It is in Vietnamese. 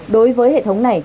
đối với hệ thống này